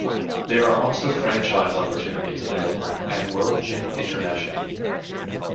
There are also franchise opportunities available at World Gym International.